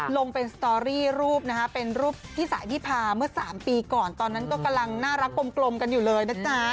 ลงเป็นสตอรี่รูปนะคะเป็นรูปพี่สายิพาเมื่อ๓ปีก่อนตอนนั้นก็กำลังน่ารักกลมกันอยู่เลยนะจ๊ะ